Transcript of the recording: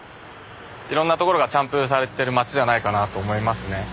いろんなところがチャンプルーされてる街ではないかなと思いますね。